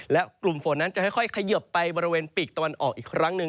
และกลุ่มฝนนั้นจะค่อยเขยิบไปบริเวณปีกตะวันออกอีกครั้งหนึ่ง